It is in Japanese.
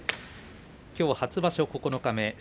きょう初場所、九日目。